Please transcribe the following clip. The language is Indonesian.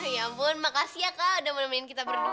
ya ampun makasih ya kak udah menemuin kita berdua